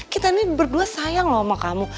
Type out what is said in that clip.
kita ini berdua sayang loh sama kamu